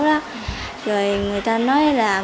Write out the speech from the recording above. rồi người ta nói là